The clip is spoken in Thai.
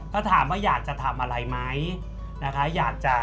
ถ้าถามว่าอยากจะทำอะไรใช่ไหม